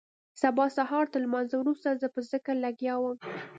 سبا سهارتر لمانځه وروسته زه په ذکر لگيا وم.